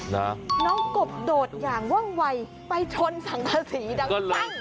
น้องกบโดดอย่างว่องวัยไปชนสังกษีดังปั้ง